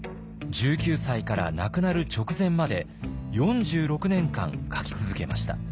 １９歳から亡くなる直前まで４６年間書き続けました。